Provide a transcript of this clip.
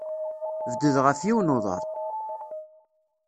Bded ɣef yiwen uḍar.